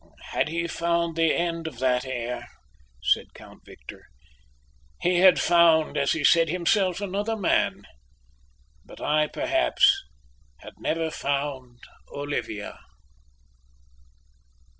"Had he found the end of that air," said Count Victor, "he had found, as he said himself, another man. But I, perhaps, had never found Olivia!"